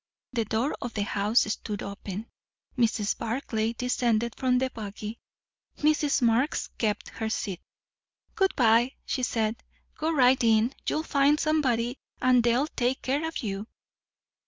The door of the house stood open. Mrs. Barclay descended from the buggy, Mrs. Marx kept her seat. "Good bye," she said. "Go right in you'll find somebody, and they'll take care of you."